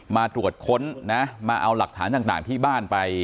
มาตรวจค้นนะมาเอาหลักฐานต่างที่บ้านไป